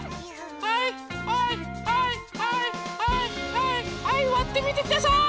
はいはいはいはいはいはいはいわってみてください！